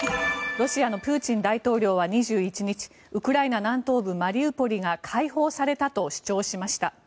ロシアのプーチン大統領は２１日ウクライナ南東部マリウポリが解放されたと主張しました。